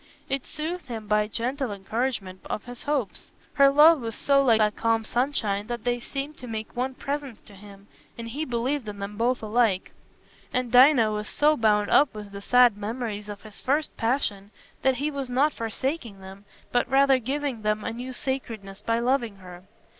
It soothed him by gentle encouragement of his hopes. Her love was so like that calm sunshine that they seemed to make one presence to him, and he believed in them both alike. And Dinah was so bound up with the sad memories of his first passion that he was not forsaking them, but rather giving them a new sacredness by loving her.